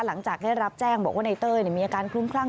หลังจากได้รับแจ้งบอกว่าในเต้ยมีอาการคลุ้มคลั่ง